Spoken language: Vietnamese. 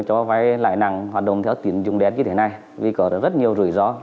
trong đó có tiến dụng đen để vay tiền